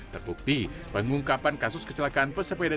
terbukti pengungkapan kasus kecelakaan pesepeda